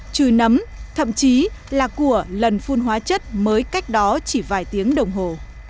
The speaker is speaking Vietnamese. trừ nấm thậm chí là của lần phun hóa chất mới cách đó chỉ vài tiếng đồng hồ